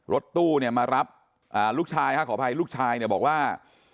รถตู้เนี่ยมารับลูกชายขออภัยลูกชายเนี่ยบอกว่า